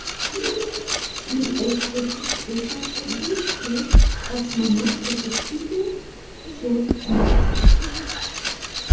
Li eĉ estis preta kredi, ke Basmanov efektive ŝercis.